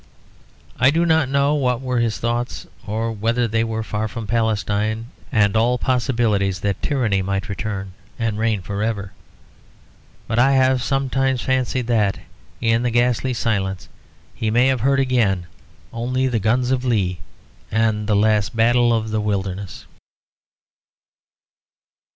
I do not know what were his thoughts, or whether they were far from Palestine and all possibilities that tyranny might return and reign for ever. But I have sometimes fancied that, in that ghastly silence, he may have heard again only the guns of Lee and the last battle in the Wilderness.